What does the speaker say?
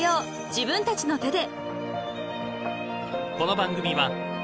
自分たちの手で］